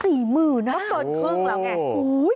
ก็เกินครึ่งแล้วไง